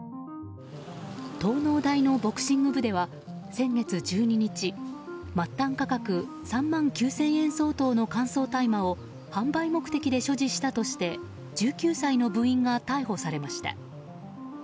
東農大のボクシング部では先月１２日末端価格３万９０００円相当の乾燥大麻を販売目的で所持したとして１９歳の部員が逮捕されました。